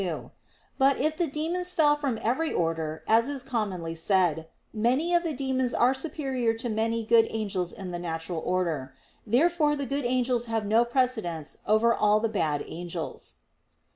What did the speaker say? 2). But if the demons fell from every order, as is commonly said, many of the demons are superior to many good angels in the natural order. Therefore the good angels have no precedence over all the bad angels.